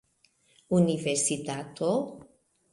universitato